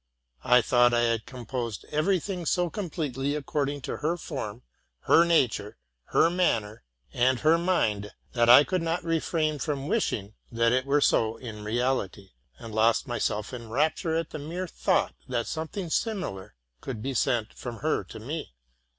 I thought I had composed every thing so completely according to her form, her nature, her manner, and her mind, that I could not refrain from wishing that it were so in reality, and lost myself in rapture at the mere thought that something RELATING TO MY LIFE. 134 similar could be sent from her to me.